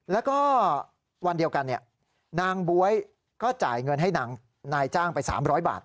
แล้วก็วันเดียวกันนางบ๊วยก็จ่ายเงินให้นายจ้างไป๓๐๐บาท